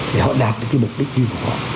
để họ đạt được cái mục đích riêng của họ